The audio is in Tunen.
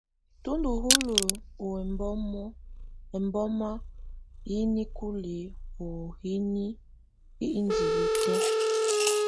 Nù ndù ɔlɔ ɔ ɛmbɔma yi nikulǝ ù hini hi indili tɛ̀á.